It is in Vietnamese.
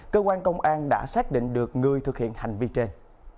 cơ quan công an đã xác định được người thực hiện hành vi trên